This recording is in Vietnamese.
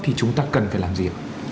thì chúng ta cần phải làm gì